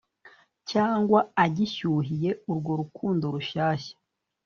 cyangwa agishyuhiye urwo rukundo rushyashya